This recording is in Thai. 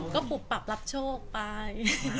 ก็ปุบปรับรับโชคไป